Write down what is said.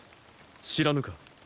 知らぬか？